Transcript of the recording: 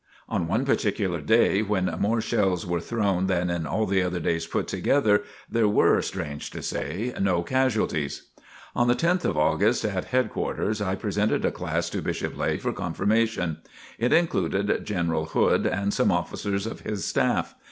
On one particular day when more shells were thrown than in all the other days put together, there were, strange to say, no casualties. On the 10th of August, at headquarters, I presented a class to Bishop Lay for confirmation. It included General Hood and some officers of his staff.